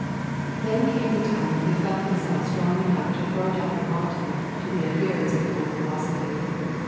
Then came the time when he felt himself strong enough to throw down the gauntlet to the adherents of the old philosophy.